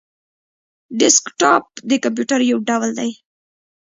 ډیسکټاپ د کمپيوټر یو ډول دی